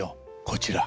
こちら。